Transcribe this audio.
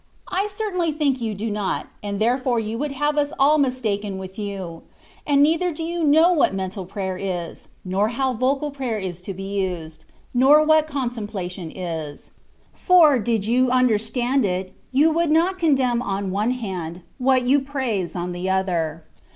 I certainly think you do not, and therefore you would have us all mistaken with you : and neither do you know what mental prayer is, nor how vocal prayer is to be used, nor what contempla tion is ; for, did you understand it, you would not condemn on one hand, what you praise on the other.